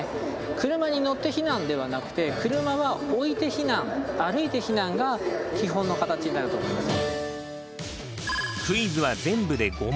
車に乗って避難ではなくて車は置いて避難歩いて避難が基本の形になると思います。